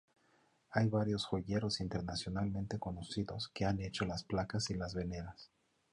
Hay varios joyeros internacionalmente conocidos que han hecho las placas y las veneras.